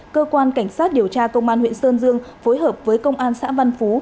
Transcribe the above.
cơ quan cảnh sát điều tra công an huyện sơn dương phối hợp với công an xã văn phú